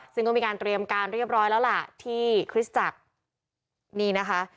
ซึ่งก็มีการเตรียมการเรียบร้อยแล้วล่ะที่คริสตจักรนี่นะคะ